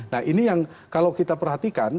nah ini yang kalau kita perhatikan